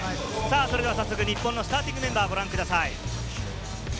早速、日本のスターティングメンバーをご覧ください。